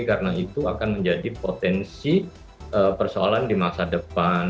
karena itu akan menjadi potensi persoalan di masa depan